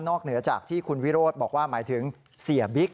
เหนือจากที่คุณวิโรธบอกว่าหมายถึงเสียบิ๊ก